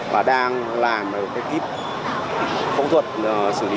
và đang làm cái kíp phẫu thuật xử lý